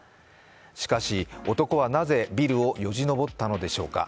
しかし、男はなぜビルをよじ登ったのでしょうか。